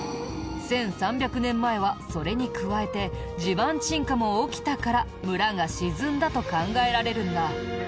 １３００年前はそれに加えて地盤沈下も起きたから村が沈んだと考えられるんだ。